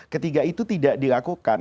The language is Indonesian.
ketiga itu tidak dilakukan